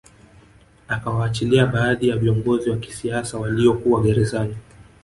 Akawaachilia baadhi ya viongozi wa kisiasa walio kuwa gerezani